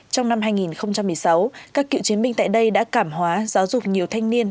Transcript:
trong năm hai nghìn một mươi sáu các cựu chiến binh tại đây đã cảm hóa giáo dục nhiều thanh niên